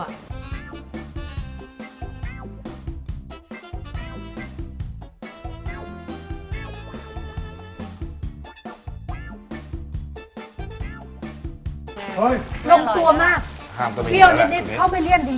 ลงตัวมากเที่ยวนิดเข้าไปเลี่ยนจริง